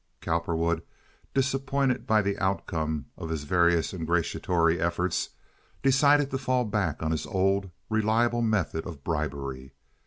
Cowperwood, disappointed by the outcome of his various ingratiatory efforts, decided to fall back on his old reliable method of bribery.